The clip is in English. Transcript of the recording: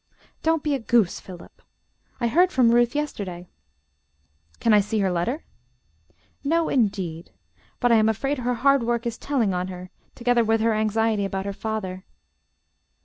"Don't be a goose, Philip. I heard from Ruth yesterday." "Can I see her letter?" "No, indeed. But I am afraid her hard work is telling on her, together with her anxiety about her father."